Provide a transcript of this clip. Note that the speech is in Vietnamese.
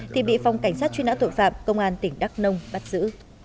thì bị phòng cảnh sát truy nã tội phạm công an tỉnh đắk nông bắt giữ